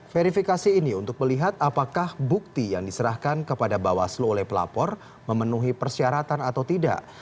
verifikasi ini untuk melihat apakah bukti yang diserahkan kepada bawaslu oleh pelapor memenuhi persyaratan atau tidak